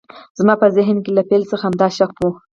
زما په ذهن کې له پیل څخه همدا شک و